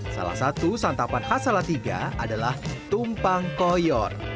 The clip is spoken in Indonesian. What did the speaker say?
salah satu santapan khas salatiga adalah tumpang koyor